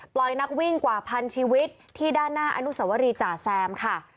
นักวิ่งกว่าพันชีวิตที่ด้านหน้าอนุสวรีจ่าแซมค่ะ